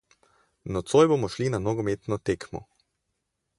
Nocoj bomo šli na nogometno tekmo.